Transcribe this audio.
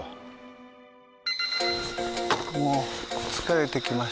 もう疲れてきました。